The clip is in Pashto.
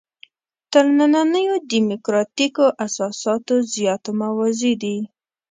تر نننیو دیموکراتیکو اساساتو زیات موازي دي.